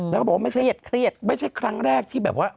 แล้วเขาบอกว่าไม่ใช่ครั้งแรกที่แบบว่า